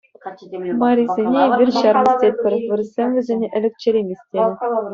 Марисене эпир ҫармӑс тетпӗр, вырӑссем вӗсене ӗлӗк черемис тенӗ.